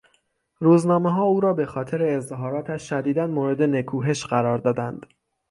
روزنامهها او را به خاطر اظهاراتش شدیدا مورد نکوهش قرار دادند.